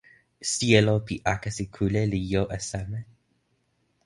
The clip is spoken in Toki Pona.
sijelo pi akesi kule li jo e seme?